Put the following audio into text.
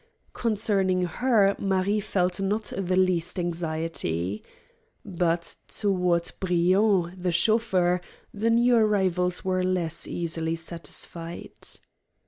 Concerning her Marie felt not the least anxiety. But toward Briand, the chauffeur, the new arrivals were less easily satisfied.